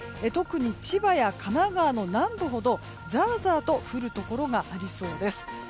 特に千葉や神奈川の南部ほどザーザーと降るところがありそうです。